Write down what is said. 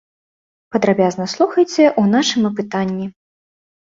Падрабязна слухайце ў нашым апытанні.